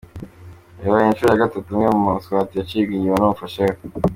Bibaye inshuro ya gatatu umwe mu Mswati acibwa inyuma numufasha we.